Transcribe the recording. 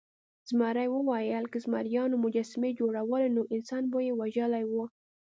زمري وویل که زمریانو مجسمې جوړولی نو انسان به یې وژلی و.